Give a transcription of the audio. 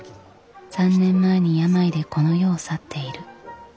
３年前に病でこの世を去っている。